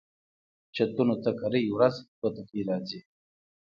چتونو ته کرۍ ورځ توتکۍ راځي